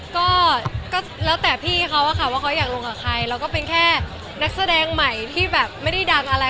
ก็แล้วแต่พี่เขาอะค่ะว่าเขาอยากลงกับใครเราก็เป็นแค่นักแสดงใหม่ที่แบบไม่ได้ดังอะไร